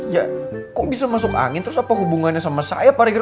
ya kok bisa masuk angin terus apa hubungannya sama saya parkir